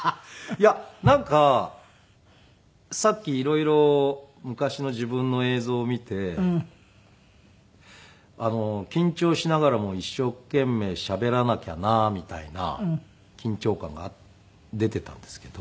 いやなんかさっき色々昔の自分の映像を見て緊張しながらも一生懸命しゃべらなきゃなみたいな緊張感が出ていたんですけど。